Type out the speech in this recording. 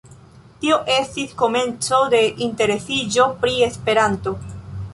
Tio estis komenco de interesiĝo pri Esperanto.